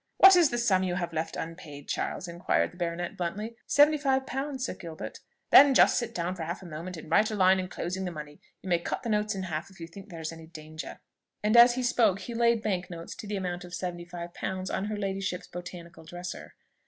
"What is the sum you have left unpaid, Charles?" inquired the baronet bluntly. "Seventy five pounds, Sir Gilbert." "Then just sit down for half a moment, and write a line enclosing the money; you may cut the notes in half if you think there is any danger." And as he spoke he laid bank notes to the amount of seventy five pounds on her ladyship's botanical dresser.